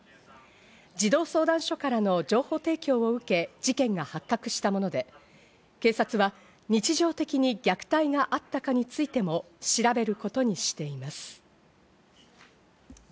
児童相談所からの情報提供を受け、事件が発覚したもので、警察は日常的に虐待があったかについても、調べることにしています。